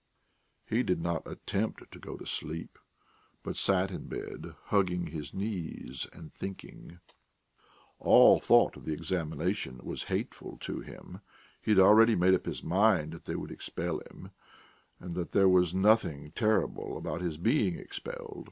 He did not attempt to go to sleep, but sat in bed, hugging his knees and thinking. All thought of the examination was hateful to him. He had already made up his mind that they would expel him, and that there was nothing terrible about his being expelled.